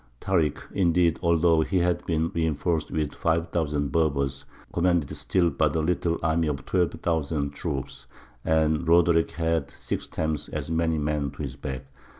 Tārik, indeed, although he had been reinforced with 5,000 Berbers, commanded still but a little army of 12,000 troops, and Roderick had six times as many men to his back.